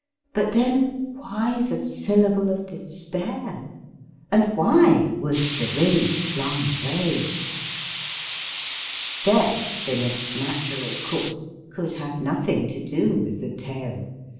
But, then, why the syllable of despair ? And why was the ring flung away .'' Death, in its natural course, could have nothing to do with the tale.